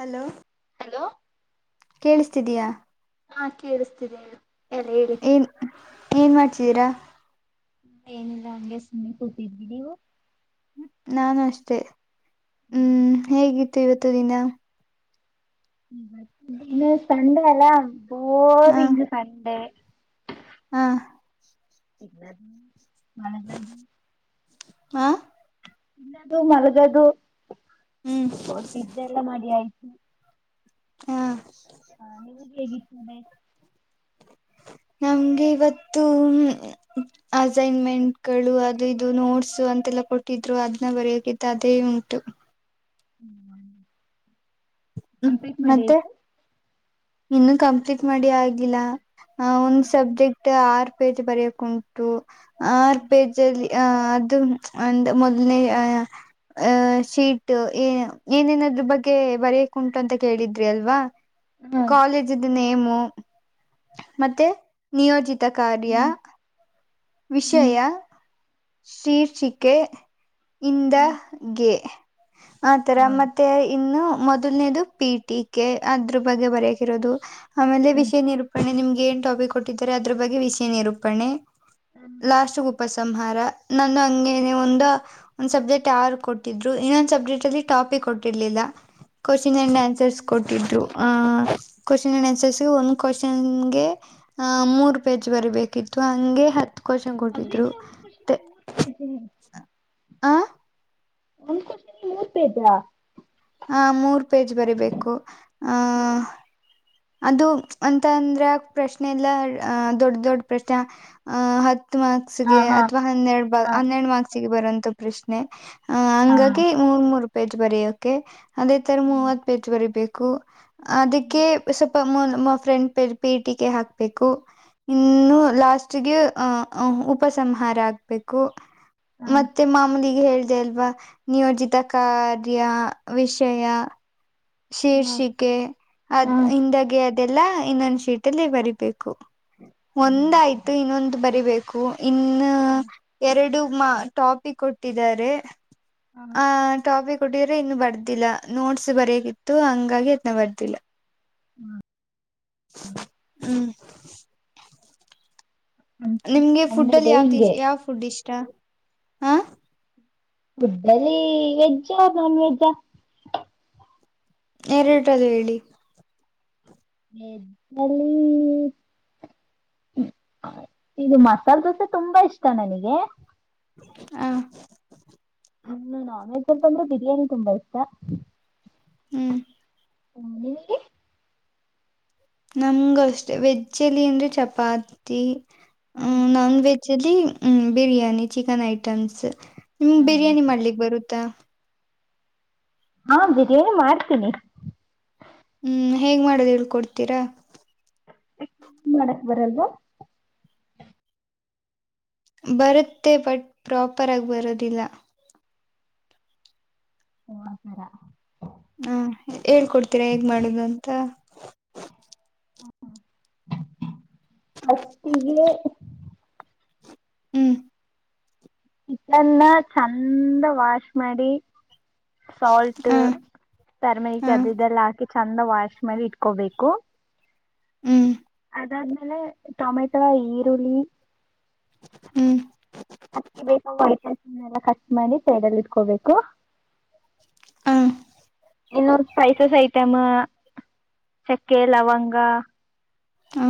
hello hello ಕೇಳಿಸ್ತಿದೀಯ ಹಾ ಕೇಳಸ್ತಿದೆ ಹೇಳು ಎಲ್ಲ ಇಡಿ ಏನು ಮಾಡ್ತಿದ್ದೀರಾ ಏನಿಲ್ಲ ಹಂಗೆ ಸುಮ್ಮನೆ ಕೂತಿದಿ ನೀವು ನಾನ ಅಷ್ಟೇ ಹ್ಮ್ ಹೇಗಿತ್ತು ಇವತ್ತು ತ್ತು ದಿನ ನೀ ಸಂಡೆ ಎಲ್ಲಾ ಓ ರಿಂಗ ಸಂಡೆ ಹಾ ಇಲ್ಲ ಮಳದ [inaudible] ಹಾ ಇನ್ನದು ಮಲಗದು ಹ್ಮ್ [unintelligible] ಇದ್ದೆಲ್ಲ ಮಾಡಿ ಆಇ [inaudible] ಹಾ ಹಾ ನೀವಗೆ ಹೇಗಿದ್ದೆ ನಮ್ಗೆ ಇವತ್ತು ಅಸೈನ್ಮೆಂಟ್ಗಳು ಅದು ಇದು ನೋಟ್ಸ ಅಂತೆಲ್ಲ ಕೊಟ್ಟಿದ್ರು ಅದನ್ನ ಬರೆಯಕಿದ್ದ ಅದೇ ಉಂಟು ಹ [inaudible] ಕಂಪ್ಲೀಟ್ ಮಾಡಿ ಆಯ್ತು ಇನ್ನುೂ ಕಂಪ್ಲೀಟ್ ಮಾಡಿ ಆಗಿಲ್ಲಾ ಹ ಒಂದ್ ಸಬ್ಜೆಕ್ಟ್ ಆರ್ ಪೇಜ ಬರೆಯಕಉಂಟು ಆರ್ ಪೇಜಲ್ಲಿ ಅ ಅದು ಅಂದ ಮೊದಲನೇ ಅ ಶೀಟ್ ಏ ಏನೇನದ್ರ ಬಗ್ಗೆ ಬರ ಉಂಟು ಅಂತ ಕೇಳಿದ್ರಿ ಅಲ್ವಾ ಹ್ಮ್ ಕಾಲೇಜ್ದ ನೇಮ್ ಮತ್ತೆ ನಿಯೋಜಿತ್ ತ ಕಾರ್ಯ ಹ್ಮ್ ಹ್ಮ್ ವಿಷಯ ಶೀರ್ಚಿಿಕೆ ಇಂದ ಗೆ ಆತರ ಹಾ ಮತ್ತೆ ಇನ್ನು ಮೊದಲ್ನೇದು ಪಿ ಟಿ ಕೆ ಅದ್ರ ಬಗ್ಗೆ ಬರೆಯಕಿರೋದು ಆಮೇಲೆ ವಿಷಯ ನಿರೂಪಣೆ ನಿಮ್್ದ ಏನ್ ಟಾಪಿಕ್ ಕೊಟ್ಟಿದ್ದಾರೆ ಅದ್ರ ಬಗ್ಗೆ ವಿಷಯ ನಿರೂಪಣೆ ಹ್ಮ್ ಲಾಸ್ಟ್ ಉಪಸಂಹಾರ ನಾನು ಹಂ ಒಂದು ಒಂದ್ ಸಬ್ಜೆಕ್ಟ್ ಯಾರು ಕೊಟ್ಟಿದ್ರು ಇನ್ನೊಂದ್ ಸಬ್ಜೆಕ್ಟ್ ಅಲ್ಲಿ ಟಾಪಿಕ್ ಕೊಟ್ಟಿರ್ಲಿಲ್ಲ ನಿನ್ನೆ ಆಂಸರ್ಸ್ ಕೊಟ್ಟಿದ್ದ್ರು ಆ ಕಕ್ವೆಸ್ನ್ ಅಂಡ್ ಆನ್ಸರ್ಸ್ ಒಂದು ಕ್ವಶನ್ಗೆ ಆ ಮೂರು ಪೇಜ್ ಬರಬೇಕಿತ್ತು ಹಂಗೆ ಹತ್ತು ಕ್ವಷನ್ ಕೊಟ್ಟಿದ್ರು ಅದೇನು ಒಂದ್ ಕ್ವಶನ್ ಮೂರ್ ಪೇಜ್ ಆ ಒಂದು ಕ್ವೆಸ್ಷನ್ ಮೂರು ಪೇಜ್ ಆ ಹ ಮೂರ್ ಪೇಜ್ ಬರಿಬೇಕು ಆ ಅದು ಅಂತ ಅಂದ್ರೆ ಪ್ರಶ್ನೆ ಇಲ್ಲ ಅ ದೊಡ್ಡ ದೊಡ್ಡ ಪ್ರಶ್ನೆ ಅಹ ಹತ್ತು ಹಾ ಮಾರ್ಕ್ಸ್ಗೆ ಹಾ ಅಥ್ವಾ ಹನ್ನೆರಡು ಹಾ ಹನ್ನೆರಡು ಮಾರ್ಕ್ಸ್ ಿಗೆ ಬರುವಂತ ಪ್ರಶ್ನೆ ಹ ಹಾ ಹಂಗಾಗಿ ಮೂರ್ ಮೂರು ಪೇಜ್ ಬರ ೆ ಅದೇ ತರ ಹ್ಮ್ ಮೂವತ್ ಪೇಜ್ ಬರಿೀಬೇಕು ಪ್ಪೂ ಹ್ಮ್ ಅದಕ್ಕೆ ಫ್ರೆಂಟ್ ಪೇಜ್ ಪೇಟಿಕೆ ಹಾಕ್ಬೇಕು ಇನ್ನು ಲಾಸ್ಟ್ಗೆ ಅ ಉಪಸಂಹಾರ ಹಾಕ್ಬೇಕು ಮತ್ತೆ ಮಾಮೂಲಿ ಹೇಳಿದೆ ಅಲ್ವಾ ನಿಯೋಜಿತ ಕಾರ್ಯ ವಿಷಯ ಹ್ಮ್ ಶೀರ್ಷಿಕೆ ಅದ್ ತರ ಹಿಂದಗೆ ಇದೆಲ್ಲ ಇನ್ನೊಂದ ಶೀಟ್ ಅಲ್ಲಿ ಬರೀಬೇಕು ಒಂದಾಯ್ತು ಇನ್ನೊಂದು ಬರಿ ಬೇಕು ಕೂ ಇನ್ನು ಹ ಎರಡು ತುಂಬಾ ಟಾಪಿಕ್ ಕೊಟ್ಟಿದರೆ ಹ ಟಾಪಿಕ್ ಕೊಟ್ಟಿದರೆ ಇನ್ನು ಬರ್ದಿಲ್ಲ ನೋಟ್ಸ್ ಬರೆಯಕಿತ್ತು ಹಂಗಾಗಿ ಅದ್ನ ಬರ್ದಿಲ್ಲ ಹ್ಮ್ [inaudible] ನಿಮ್ಗೆ ಫುಡ್ ಸಂಡೆ ಅಲ್ಲಿ ಡೇ ಯಾವ್ದ ಹಿಂಗೆ ಯಾವ್ ಫುಡ್ ಇಷ್ಟ ಸ್ಟಾ ಹಾ ಫುಡ್ಡಲಿ ವೆಜ್ಜಾ ನಾನ್ವೆೆಜ್ಜಾ ಎರ್ಡರಲ್ಲಿ ಹೇಳಿ ಫುಡ್ನಲ್ಲಿ ಇದು ಮಸಾಲೆ ದೋಸೆ ತುಂಬಾ ಇಷ್ಟ ನನಗೆ ಹ ನಂಗೆ ನಾನ್ ವೆಜ್ ಅಂತ ಅಂದ್ರೆ ಬಿರಿಯಾನಿ ತುಂಬಾ ಇಷ್ಟ ಹ್ಮ್ ಹ್ಮ್ ನಿಮಗೆ ನಮಗೂ ಅಷ್ಟೆ ವೆಜ್ಜಲಿ ಅಂದೆ ಚಪಾತಿ ಹ್ಮ್ ನೊನ್ವೆಜ್ ನೊನ್ವೆಜ್ ಅಲ್ಲಿ ಬಿರಿಯಾನಿ ಚಿಕನ್ ಐಟಮ್ಸ್ ನಿಮ ಬಿರಿಯಾನಿ ಮಾಡ್ಲಿಕ್ ಬರುತ್ತಾ ಹಾ ಬಿರಿಯಾನಿ ಮಾಡ್ತೀನಿ ಹ್ಮ್ ಹೇಗ್ ಮಾಡದು ಹೇಳ್ಕೊಡ್ತೀರಾ ಯ್ಕ್ ಮಾಡಕ್ ಬರಲ್ವಾ ಬರುತ್ತೆ ಬಟ್ ಪ್ರಾಪರ್ ಆಗಿ ಬರೋದಿಲ್ಲ ಓ ಆತರ ಹಾ ಹೇಳ್ಕೊಡ್ತೀರಾ ಹೇಗ್ ಮಾಡುದು ಅಂತ ಹ ಫರ್ಸ್ಟ್ಗೆ ಹ್ಮ್ ಚಿಕೆನ್ ನಾ ಚಂದ ವಾಶ್ ಮಾಡಿ ಹ ಸಾಲ್ಟ್ ಹ ಟರ್ಮೆರಿಕ್ ಅದು ಇದೆಲ್ಲ ಹಾಕಿ ಚಂದ ವಾಶ್ ಮಾಡಿ ಇಟ್ಕೋಬೇಕು ಹ್ಮ್ ಅದಾದ್ಮೇಲೆ ಟೊಮ್ಯಾಟೋ ಈರುಳ್ಳಿ ಹ್ಮ್ ಹಿ ಎ ಕಟ್ ಮಾಡಿ ಸೈಡಲ್ಲಿ ಇಟ್ಕೋಬೇಕು ಹ ಇನ್ನೂ ಸ್ಪೈಸಸ್ ಐಟಮ್ ಚಕ್ಕೆ ಲವಂಗ ಹ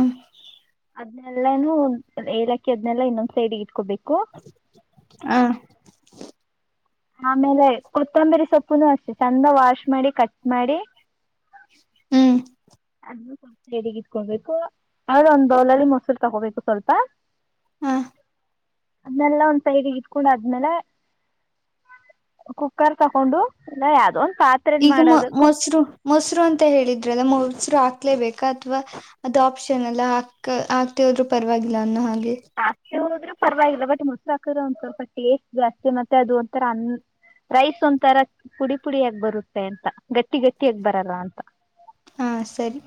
ಅದ್ನೆಲ್ಲಾನು ಏಲಕ್ಕಿ ಅದ್ನೆಲ್ಲ ಇನ್ನೊಂದ್ ಸೈಡ್ಿಗೆ ಇಟ್ಕೋಬೇಕು ಹಾ ಆಮೇಲೆ ಕೊತ್ತಂಬರಿ ಸೊಪ್ಪುನು ಅಷ್ಟೆ ಚಂದ ವಾಶ್ ಮಾಡಿ ಕಟ್ ಮಾಡಿ ಹ್ಮ್ ಅದ ಸ್ವಲ್ ಸೈಡಿಗೆ ಇಟ್ಕೊಬೇಕು ಆದ್ರೆ ಒಂದ್ ಬೌಲಲ್ಲಿ ಮೊಸರು ತಗೋಬೇಕು ಸ್ವಲ್ಪ ಹ ಅದನ್ನೆಲ್ಲ ಒಂದ್ ಸೈಡ್ಿಗೆ ಇಟ್ಕೊಂಡು ಅದ್ಮೇಲೆ ಕುಕ್ಕರ್ ತಗೊಂಡು ಎಲ್ಲ ಯಾ್ದು ಈಗ ಮ ಮೊಸರು ಮೊಸರು ಅಂತ ಹೇಳಿದ್ರಲ್ಲ ಮೊ ರು ಹಾಲೇಬೇಕಾ ಅಥವಾ ಅದು ಆಪ್ಷನ್ ಎಲ್ಲ ಹಾಕ್ ಹಾತಿ ಹೋದ್ರು ಪರವಾಗಿಲ್ಲ ಅನ್ನೋ ಹಾಗ ಆಾಸ್ತಿ ಹೋದ್ರೆ ಪರವಾಗಿಲ್ಲ ಬಟ್ ಮೊಸರಾಕರ ಒಂದ್ ಸ್ವಲ್ಪ ಟೇಸ್ಟ್ ಜಾಸ್ತಿ ಮತ್ತೆ ಅದು ಒಂರ ಅ ರೈಸ್ ಒಂಥರ ಪುಡಿ ಪುಡಿಯಾಗ ಬರುತ್ತೆ ಅಂತ ಗಟ್ಟಿ ಗಟ್ಟಿಯಾಗ ಬರರ ಅಂತ ಹಾ ಸರಿ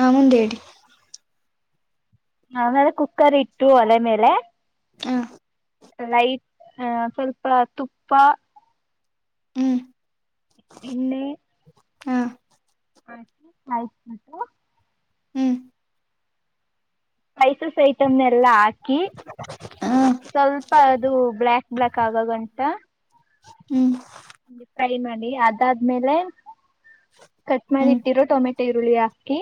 ಹ ಮುಂದೇಿ ಆಮೇಲೆ ಕುಕ್ಕರ್ ಇಟ್ಟು ಒಲೆ ಮೇಲೆ ಹ ಲೈಟ್ ಆ ಸ್ವಲ್ಪ ತುಪ್ಪ ಹ್ಮ್ ಇನ್ನು ಹಾ ಹ ಆಯತ ಮತ ಹ್ಮ್ ಸ್ಪೈಸಸ್ ಐಟಮ್ ಎಲ್ಲಾ ಕ ಹ ಸ್ವಲ್ಪ ಅದು ಬ್ಲ್ಲಾಕ್ ಬ್ಲಯಾಕ್ ಕಾಗ ಗಂಟ ಹ್ಮ್ ೈ ಮಾಡಿ ಅ ಅದಾದ್ಮೇಲೆ ಕಟ್ ಮಾಡಿ ಹ್ಮ್ ಇತ್ತೀರೋ ಟೊಮೆಟೊ ಈರುಳ್ಳಿ ಹಾಕಿ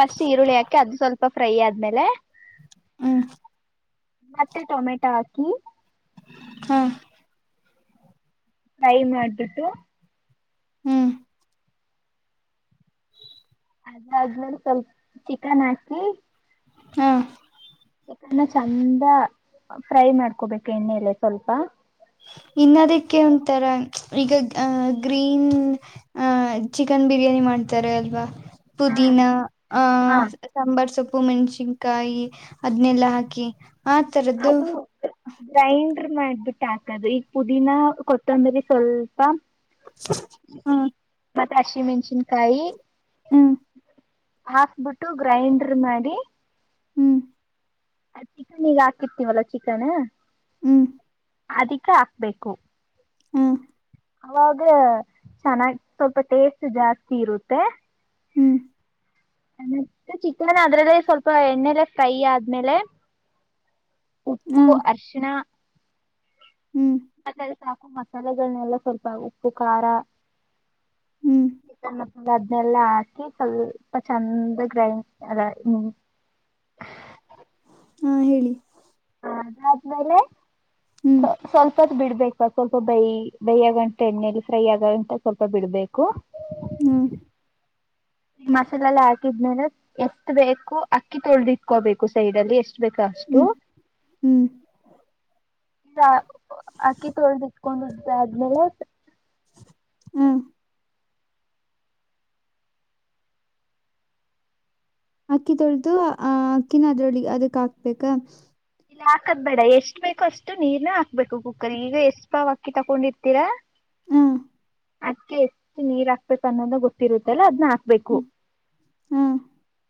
ಫಸ್ಟ್ ಈರುಳ್ಳಿ ಹಾಕಿ ಅದು ಸ್ವಲ್ಪ ಫ್ರೈ ಆದ್ಮೇಲೆ ಹ್ಮ್ ಮತ್ತೆ ಟೊಮೆಟೊ ಹಾಕಿ ಹ ಟ್ರೈ ಮಾಡ್ಬಿಟ್ಟು ಹ್ಮ್ ಅದ ಅದೇಲ್ಲಿ ಸ್ವಲ್ಪ ಚಿಕನ್ ಹಾಕಿ ಹಾ ಚಿಕನ್ನ ಚಂದ ಫ್ರೈ ಮಾಡ್ಕೋಬೇಕು ಎಣ್ಣೆಲೆ ಸ್ವಲ್ಪ ಇನ್ನದಕ್ಕೆ ಉಂತರ ಈಗ ಅಹ ಗ್ರೀನ್ ಅಹ ಚಿಕನ್ ಬಿರಿಯಾನಿ ಮಾಡ್ತಾರ ಅಲ್ವಾ ಹಾ ಪುದೀನ ಆ ಹಾ ಸಾಂಬಾರ್ ಸೊಪ್ಪ ಉಪ್ಪು ಮೆಣ್ಸಿನ್ಕಾಯಿ ಅದನೆಲ್ಲಾ ಹಾಕಿ ಆ ತರದ್ದು ಅದು ಗ್ರೈಂಡರ್ ಮಾಡಿ ಬಿಟ್ಟ ಆಗ್ತದು ಈಗ ಪುದೀನಾ ಕೊತ್ತಂದ್ರೆ ಸ್ವಲ್ಪ ಹ್ಮ ಕಶಿ ಮೆಣಚಿಿನಕಾಯಿ [unintelligible] ಹ್ಮ್ ಹಾಕ್ಬಿಟ್ಟು ಗ್ರೈಂಡರ್ ಮಾಡಿ ಹ್ಮ್ ಚಿಕನ್ ಈಗ ಹಾಕಿರ್ತಿವಲ್ಲ ಚಿಕನ್ ಹ್ಮ್ ಅದಿಕ ಹಾಕ್ಬೇಕು ಹ [inaudible] ಅವಾಗ ಚೆನ್ನಾಗಿ ಸ್ವಲ್ಪ ಟೇಸ್ಟ್ ಜಾಸ್ತಿ ಇರುತ್ತೆ ಹ್ಮ್ ತ್ತೆ ಚಿಕನ್ ಅದ್ರಲ್ಲೇ ಸ್ವಲ್ಪ ಎಣ್ಣೆಲೆ ಫ್ರೈ ಆದ್ಮೇಲೆ ಹ ಉಪ್ಪು ಅರ್ಶಣ ಹ್ಮ್ [inaudible] ಮತ್ತ ಸಾಕು ಮಸಾಲೆಗಳನೆೆಲ್ಲ ಸ್ವಲ್ಪ ಉಪ್ಪು ಖಾರ ಹ್ಮ್ [inaudible] ಅದ್ನೆಲ್ಲ ಹಾಕಿ ಸ್ವಲ್ಪ ಚಂದ ಗ್ರೈಂಡ್ ಅದ ಹಾ ಹೇಳಿ ಅದಾದ್ಮೇಲೆ ಹ್ಮ್ ಸ್ ಸ್ವಲ್ಪ [unintelligible] ಬಿಡ್ಬೇಕ ಸ್ವಲ್ಪ ಬೈ ಬೈಯ ಆಗಂತ ಎಣ್ಣಲಿ ಫ್ರೈ ಆಗಂತ ಸ್ವಲ್ಪ ಬಿಡ್ಬೇಕು [unintelligible] ಹ್ಮ್ ಈ ಮಸಾಲೆ ಎಲ್ಲ ಹಾಕಿದ್ಮೇಲೆ ಎಷ್ಟು ಬೇಕು ಅಕ್ಕಿ ತೊಳೆ್ದಿಟ್ಕೋಬೇಕು ಸೈಡ್ ಅಲ್ಲಿ ಎಷ್ಟು ಬೇಕಷ್ಟು ಹ್ಮ್ ಹ್ಮ್ ಈ ಅಕ್ಕಿ ತೊಳದಿಟ್ಕೊಂಡ್ದೆ ಆದ್ಮೇಲೆ ಹ ಅಕ್ಕಿ ತೊಳ್ದು ಅಹ ಅಕ್ಕಿನ ಅದ್ರೊಳಗ್ ಅದಕ್ ಹಾಕ್ಬೇಕ ಇಲ್ಲ ಹಾಕದ್ ಬೇಡ ಎಷ್ಟ ಬೇಕು ಅಷ್ಟು ನೀರ್ನ ಹಾಕ್ಬೇಕು ಕುಕ್ಕರ್ ಈಗ ಎಷ್ಟು ಭಾವ ಅಕ್ಕಿ ತಕೊಂಡಿರ್ತೀರಾ ಹ್ಮ ಅದ್ಕ್ಕೆ ಎಷ್ಟು ನೀರ್ ಹಾಕ್ಬೇಕು ಅನ್ನೋದ ಗೊತ್ತಿರುತ್ತಲ್ಲಾ ಅದ್ ಹಾ ಹಬೇಕು ಹ್ಮ್ ಹ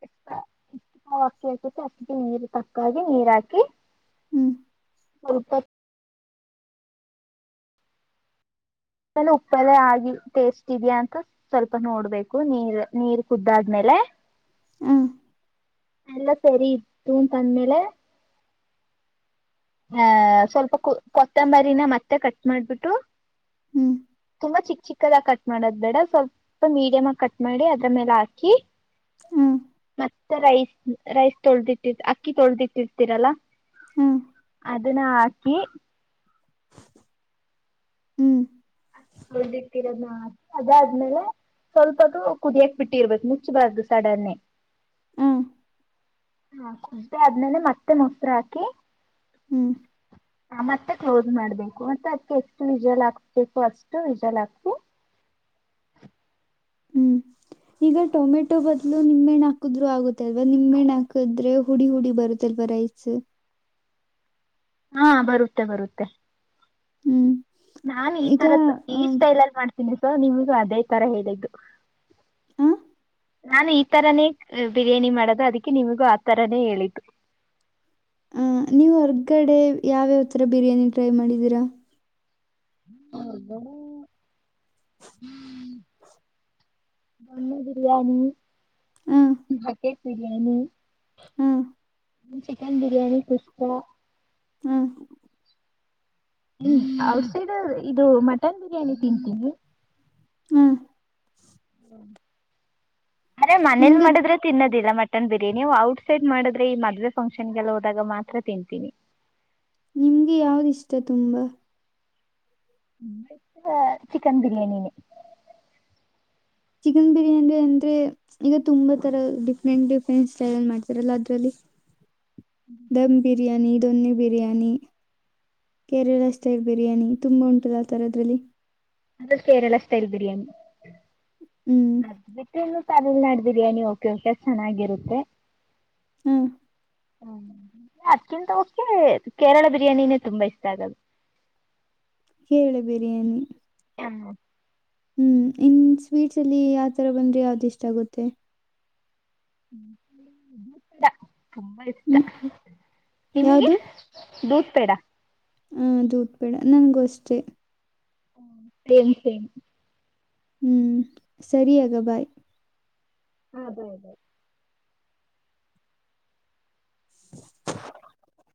[unintelligible] ಎಷ್ಟು ಪಕ್ಕಿ ಆಕುತ್ತೆ ಅಷ್ಟಿಗೆ ನೀರು ತಕ್ಕ ಹಾಗೆ ನೀರ್ಾಕ [unintelligible] ಹ್ಮ್ ಹಾ [inaudible] ಉಪ್ಪದೇ ಆಗಿ ಟೇಸ್ಟ್ ಇದ್ಯಾ ಅಂತ ಸ್ವಲ್ಪ ನೋಡ್ಬೇಕು ನೀರ್ ನೀರ್ ಕುದ್ದಾದ್ಮೇಲೆ ಹ್ಮ ಎಲ್ಲ ಸರಿ ಇತ್ತು ತಂದ್ಮೇಲೆ ಹಹ ಸ್ವಲ್ಪ ಕೊತ್ತಂಬರಿನ ಮತ್ತೆ ಕಟ್ ಮಾಡ್ಬಿಟ್ಟು ಹ್ಮ್ ತುಂಬಾ ಚಿಕ್ ಚಿಕ್ಕದಾಗ ಕಟ್ ಮಾಡೋದ್ ಬೇಡ ಸ್ವಲ್ಪ ಮೀಡಿಯಮ್ ಆಗ ಕಟ್ ಮಾಡಿ ಅದ್ರ ಮೇಲೆ ಹಾಕಿ ಹ್ಮ್ ಮತ್ತ ರೈಸ್ ರೈಸ್ ತೊಳ್ದಿಟ್ಟಿ ಅಕ್ಕಿ ತೊಳ್ದಿಟ್ಟಿರ್ತೀರಲ್ಲಾ ಹ್ಮ ಅದನ್ನ ಹಾಕಿ ಹ್ಮ್ ಹಿಿಟ್ಟಿರೋದಿ ಅದಾದ್ಮೇಲೆ ಸ್ವಲ್ಪದು ಕುದಿಯಕ್ ಬಿಟ್ಟಿರ್ಬೇಕು ಮುಚ್ಚಬಾರ್ದು ಸಡನ್ನೆ ಹ ಹಾ ುದ್ದೆ ಆದ್ಮೇಲೆ ಮತ್ತೆ ಮೊಸರು ಹಾಕಿ ಹ್ಮ್ ಹ ಮತ್ತೆ ಕ್ಲೋಸ್ ಮಾಡ್ಬೇಕು ಮತ್ತೆ ಅದ್ಕ್ಕೆ ಎಷ್ಟು ವಿಜಲ್ ಹಾಕ್ಬೇಕು ಅಷ್ಟು ವಿಜಲ್ ಹಾಕ್ ಹ್ಮ್ ಈಗ ಟೊಮೆಟೊ ಬದ್ಲು ನಿಮ್ೆಣ್ಣ ಹಾಕುದ್ರು ಆಗುತ್ತೆಲ್ವಾ ನಿಮ್ಣ್ಣ ಹಾಕಿದ್ರೆ ಹುಡಿ ಹುಡಿ ಬರುತ್ತಲ್ವ ರೈಸ್ ಹಾ ಬರುತ್ತೆ ಬರುತ್ತೆ ಹ್ಮ್ ನಾನ್ ಈ ಈಗ ತರ ಈ ಅಹ್ ಸ್ಟೈಲ ಅಲ್ಲಿ ಮಾಡ್ತೀನಿ ಸ ನಿಮಗೂ ಅದೇ ತರ ಹೇಳಿದ್ದು ಆ ನಾನ ಈ ತರನೇ ಬಿರಿಯಾನಿ ಮಾಡದು ಅದಕ್ಕೆ ನಿಮಗೂ ಆ ತರನೇ ಹೇಳಿದ್ದು ಹ ನೀವು ಹೊರ್ಗಡೆ ಯಾವ್ಯಾವಥರ ಬಿರಿಯಾನಿ ಟ್ರೈ ಮಾಡಿದೀರಾ ಹ್ಮ ಮ್ಣ ಬಿರಿಯಾನಿ ಹಾಗಕೆ ಬರಿಯಾನ ಹ್ಮ್ ಚಿಕನ್ ಬಿರಿಯಾನಿ ಕುಷ್ಪ ಹ್ಮ್ ಹ್ಮ ಔಟ್ ಸೈಡ್ ಇದು ಮಟನ್ ಬಿರಿಯಾನಿ ತಿಂತೀನಿ ಹ್ಮ್ ಹ್ಮ ಅರೆ ಮನೇನ್ ನಿಮ್ಗ ಮಾಡಿದ್ರೆ ತಿನ್ನದ ಿಲ್ಲ ಮಟನ್ ಬಿರಿಯಾನಿ ಔಟ್ ಸೈಡ್ ಮಾಡಿದ್ರೆ ಈ ಮದ್ವೆ ಫಂಕ್ಷನ್ಗೆಲ್ಲ ಹೋದಾಗ ಮಾತ್ರ ತಿಂತೀನಿ ನಿಮ್ಗೆ ಯಾವ್ದ ಇಷ್ಟ ತುಂಬಾ ಚಿಕನ್ ಬಿರಿಯಾನಿನ ಚಿಕನ್ ಬಿರಿಯಾನಿ ಅಂದ್ರೆ ಈಗ ತುಂಬಾ ತರ ಡಿಫ್ರೆಂಟ್ ಡಿಫ್ರೆಂಟ್ ಸ್ಟೈಲ್ ಅಲ್ಲಿ ಮಾಡ್ತಾರಲ್ಲ ಅದ್ರಲ್ಲಿ ದಮ್ ಬಿರಯಾನಿ ದೊನ್ನಿ ಬಿರಯಾನಿ ಕೇರಳ ಸ್ಟೈಲ್ ಬಿರಿಯಾನಿ ತುಂಬಾ ಉಂಟದ ಆತರ ಅದ್ರಲ್ಲಿ ಅದು ಕೇರಳ ಸ್ಟೈಲ್ ಬಿರಿಯಾನಿ ಹ್ಮ್ ಅದಲ್ಲ ತಮಿಳ್ನಾಡು ಬಿರಿಯಾನಿ ಓಕೆ ಓಕೆ ಚೆನ್ನಾಗಿರುತ್ತೆ ಹ್ಮ್ ಹ್ಮ ಅದ್ಕ್ಕಿಂತ ಕೆ ಕೇರಳ ಬಿರಿಯಾನಿನೇ ತುಂಬಾ ಇಷ್ಟ ಆಗದು ಕೇಳಿ ಬಿರಿಯಾನಿ ಹ್ಮ ಹ್ಮ್ ಇನ್ ಸ್ವೀಟ್ಸ್ ಅಲ್ಲಿ ಯಾವತರ ಬಂದ್ರೆ ಯಾವ್ದ ಇಷ್ಟ ಆಗುತ್ತೆ ಧೂತ್ ಪೇಡಾ ತುಂಬಾ ಇಷ್ಟ ಹ್ಮ್ ನಿಮಗೆ ಯಾವ್ದು ದೂಧ ಪೇಡ ಹ ದೂದ ಬೇಡ ನನ್ಗೂ ಅಷ್ಟೆ ಹ್ಮ ಸರಿ ಸರಿ ಹ್ಮ್ ಸರಿಯಗ ಬಾಯ್ ಅದೇ ಅದೇ [inaudible]